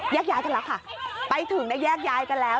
แยกย้ายกันแล้วค่ะไปถึงได้แยกย้ายกันแล้ว